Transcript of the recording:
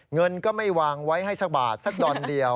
เงินก็ไม่วางไว้ให้สักบาทสักดอนเดียว